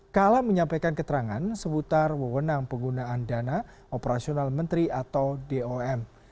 kala menyampaikan keterangan seputar wewenang penggunaan dana operasional menteri atau dom